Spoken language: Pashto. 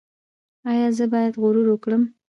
ایا زه باید غرور وکړم؟